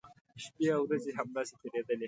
شپی او ورځې همداسې تېریدلې.